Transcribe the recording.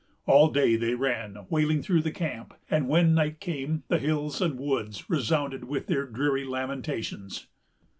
All day they ran wailing through the camp; and, when night came, the hills and woods resounded with their dreary lamentations.